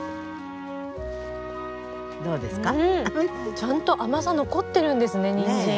ちゃんと甘さ残ってるんですねニンジン。